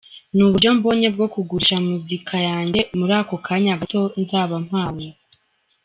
Ni uburyo mbonye bwo kugurisha muzika yanjye muri ako kanya gato nzaba mpawe.